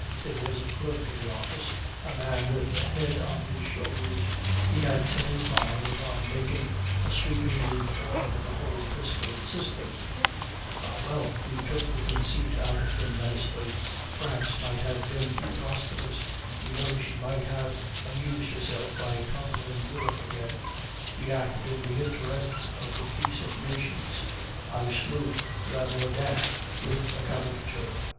There was a clerk in the office, a man with a head on his shoulders; he had set his mind upon making a sweeping reform of the whole fiscal system ah, well, we took the conceit out of him nicely. France might have been too prosperous, you know she might have amused herself by conquering Europe again; we acted in the interests of the peace of nations. I slew Rabourdin with a caricature."